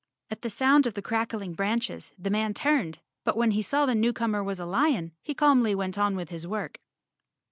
At the sound of the crackling branches, the man turned, but when he saw the new comer was a lion, he calmly went on with his work.